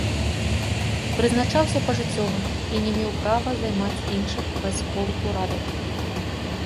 Прызначаўся пажыццёва і не меў права займаць іншых вайсковых урадаў.